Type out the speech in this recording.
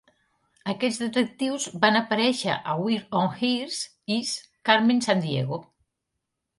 Aquests detectius van aparèixer a "Where on Earth Is Carmen Sandiego".